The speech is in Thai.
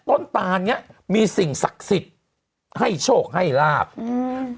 ตานเนี้ยมีสิ่งศักดิ์สิทธิ์ให้โชคให้ลาบอืม